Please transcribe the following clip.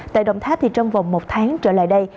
tại đồng tháp trong vòng một tháng trở lại đây